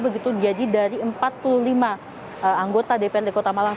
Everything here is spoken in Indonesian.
begitu jadi dari empat puluh lima anggota dprd kota malang